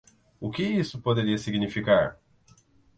O que isso poderia significar?